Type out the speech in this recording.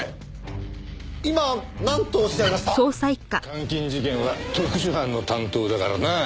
監禁事件は特殊班の担当だからな。